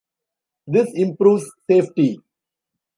This improves safety.